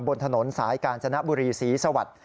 บนถนนสายกาญจนบุรีศรีสวัสดิ์